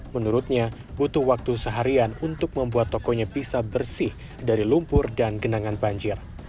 menurutnya butuh waktu seharian untuk membuat tokonya bisa bersih dari lumpur dan genangan banjir